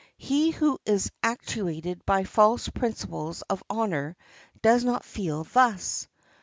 He who is actuated by false principles of honor does not feel thus.